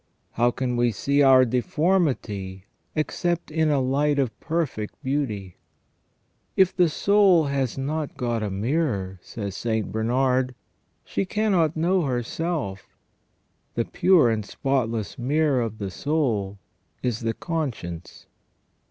How can we see our deformity except in a light of perfect beauty ?" If the soul has not got a mirror," says St. Bernard, "she cannot know herself: the pure and spot less mirror of the soul is the conscience."